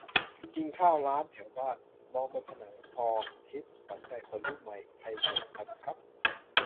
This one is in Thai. กินข้าวร้านแถวบ้าน มองบนผนัง 'ภรณ์ทิพย์ ขวัญใจคนรุ่นใหม่' ใครเกิดทันครับ ?